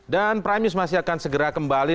dan prime news masih akan segera kembali